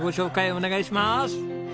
お願いします！